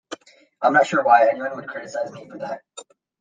I'm not sure why anyone would criticise me for that.